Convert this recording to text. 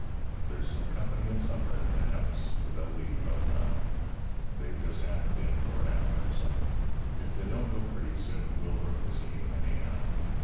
There's some company at supper in the house, but they'll leave about nine. They've just happened in for an hour or so. If they don't go pretty soon, we'll work the scheme anyhow.